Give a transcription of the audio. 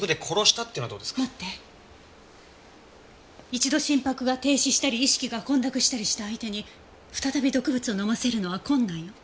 一度心拍が停止したり意識が混濁したりした相手に再び毒物を飲ませるのは困難よ。